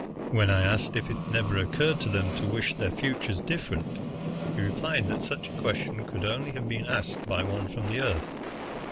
When I asked if it never occurred to them to wish their futures different, he replied that such a question could only have been asked by one from the Earth.